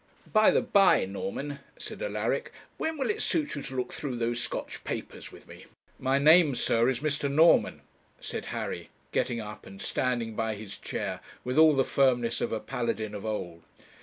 'By the by, Norman,' said Alaric, 'when will it suit you to look through those Scotch papers with me?' 'My name, sir, is Mr. Norman,' said Harry, getting up and standing by his chair with all the firmness of a Paladin of old.